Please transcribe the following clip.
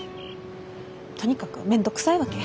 とにかく面倒くさいわけ。